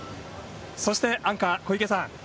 そしてアンカー小池さん